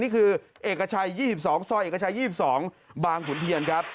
เอกชัย๒๒ซอยเอกชัย๒๒บางขุนเทียนครับ